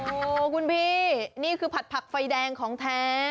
โอ้โหคุณพี่นี่คือผัดผักไฟแดงของแท้